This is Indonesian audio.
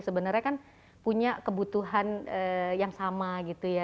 sebenarnya kan punya kebutuhan yang sama gitu ya